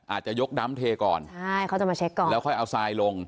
อาจจะยกดำเทก่อนใช่เขาจะมาเช็คก่อนแล้วค่อยเอาทรายลง